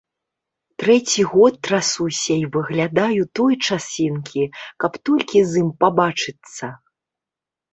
Трэці год трасуся і выглядаю той часінкі, каб толькі з ім пабачыцца.